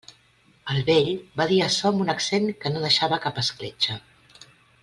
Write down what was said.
El vell va dir açò amb un accent que no deixava cap escletxa.